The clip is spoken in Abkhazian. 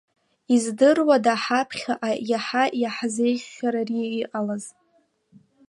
Издыруада ҳаԥхьаҟа иаҳа иаҳзеиӷьхар ари иҟалаз.